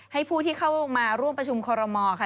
ให้ผู้ที่เข้ามาร่วมประชุมคอรมอลค่ะ